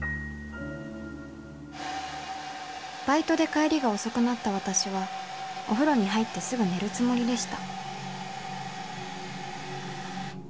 バイトで帰りが遅くなった私はお風呂に入ってすぐ寝るつもりでした